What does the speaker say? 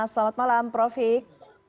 selamat malam prof hik